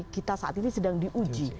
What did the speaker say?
kita saat ini sedang diuji